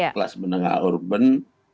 kelas menengah urban